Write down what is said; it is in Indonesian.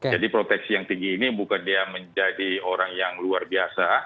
jadi proteksi yang tinggi ini bukan dia menjadi orang yang luar biasa